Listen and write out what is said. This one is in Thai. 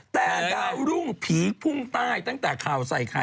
แต่ดาวรุ่งผีพุ่งใต้ตั้งแต่ข่าวใส่ไข่